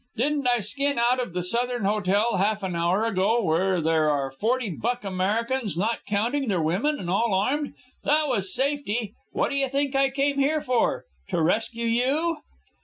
Didn't I skin out of the Southern Hotel half an hour ago, where there are forty buck Americans, not counting their women, and all armed? That was safety. What d'ye think I came here for? to rescue you?"